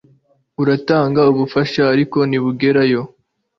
Uratanga ubufasha ariko ntibugerayo